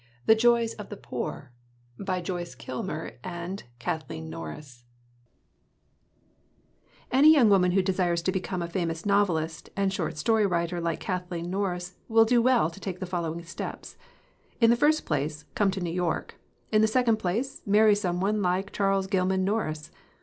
THE JOYS OF THE POOR KATHLEEN NORRIS THE JOYS OF THE POOR KATHLEEN NORRIS ANY young woman who desires to become a famous novelist and short story writer like Kathleen Norris will do well to take the following steps : In the first place, come to New York. In the second place, marry some one like Charles Gilman Norris.